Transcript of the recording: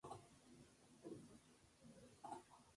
El origen de la imagen es desconocido.